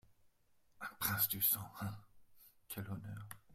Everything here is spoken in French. Un prince du sang, hein ! quel honneur !